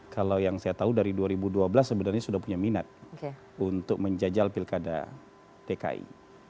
kalau yang saya tahu dari dua ribu dua belas sebenarnya sudah punya minat untuk menjajal pilkada dki